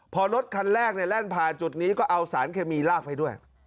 พอรถคันแรกแล่นผ่านจุดนี้ก็เอาสารเคมีลากไปด้วย